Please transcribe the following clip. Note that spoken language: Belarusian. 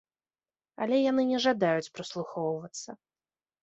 Але яны не жадаюць прыслухоўвацца.